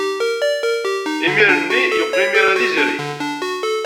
Imir-nni yeqqel imir-a d izri.